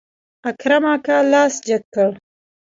اکرم اکا لاس جګ کړ.